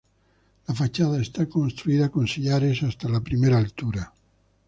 La fachada está construida con sillares hasta la primera altura.